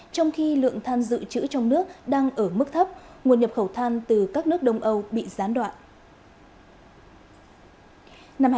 trong khi lượng than dự trữ trong nước đang ở mức thấp nguồn nhập khẩu than từ các nước đông âu bị gián đoạn